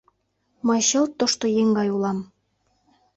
Мый чылт тошто еҥ гай улам...